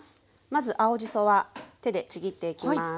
まず青じそは手でちぎっていきます。